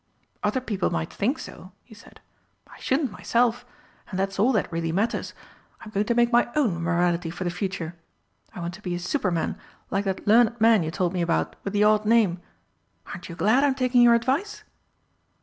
"Other people might think so," he said. "I shouldn't myself and that's all that really matters. I'm going to make my own morality for the future. I want to be a Superman, like that learned man you told me about with the odd name. Aren't you glad I'm taking your advice?"